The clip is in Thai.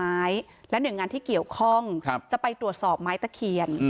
และหน่วยงานที่เกี่ยวข้องจะไปตรวจสอบไม้ตะเคียน